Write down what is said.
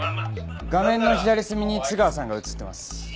画面の左隅に津川さんが映ってます。